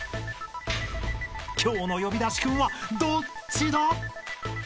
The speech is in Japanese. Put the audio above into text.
［今日の呼び出しクンはどっちだ？］